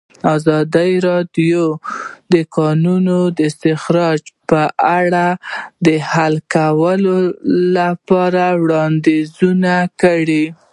ازادي راډیو د د کانونو استخراج په اړه د حل کولو لپاره وړاندیزونه کړي.